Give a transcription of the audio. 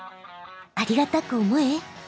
ありがたく思え。